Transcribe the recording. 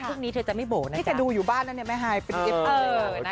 พรุ่งนี้เธอจะไม่โบ๋นะนี่จะดูอยู่บ้านนะเนี่ยแม่ฮายเป็นเอฟเตอร์